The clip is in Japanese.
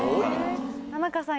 田中さん